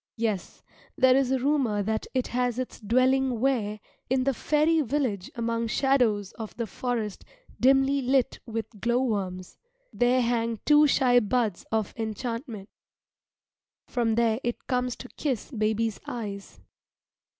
Yes, there is a rumour that it has its dwelling where, in the fairy village among shadows of the forest dimly lit with glow worms, there hang two shy buds of enchantment. From there it comes to kiss baby's eyes.